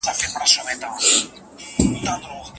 ولي ميرمن د خاوند اجازه غواړي؟